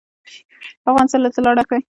افغانستان له طلا ډک دی.